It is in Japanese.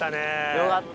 よかった。